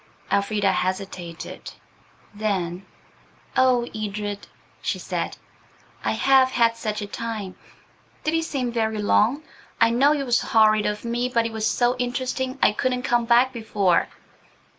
Elfrida hesitated. Then, "Oh, Edred," she said, "I have had such a time! Did it seem very long? I know it was horrid of me, but it was so interesting I couldn't come back before."